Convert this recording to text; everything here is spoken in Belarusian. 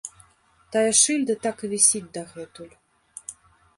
Тая шыльда так і вісіць дагэтуль.